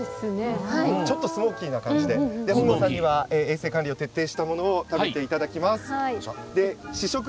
ちょっとスモーキーな感じで、本郷さんには衛生管理を徹底したものを食べていただきます。